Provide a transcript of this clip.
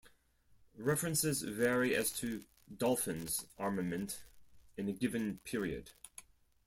References vary as to "Dolphin"s armament in a given period.